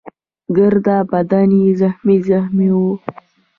ګرده بدن يې زخمي زخمي وو.